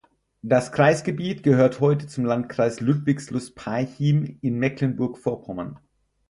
Das Kreisgebiet gehört heute zum Landkreis Ludwigslust-Parchim in Mecklenburg-Vorpommern.